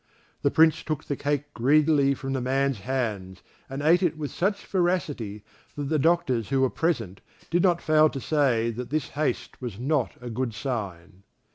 The Prince took the cake greedily from the man's hands, and ate it with such voracity that the doctors who were present did not fail to say that this haste was not a good sign.